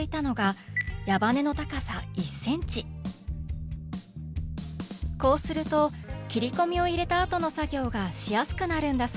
こうすると切り込みを入れたあとの作業がしやすくなるんだそうです。